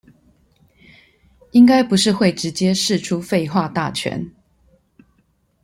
應該不是會直接釋出廢話大全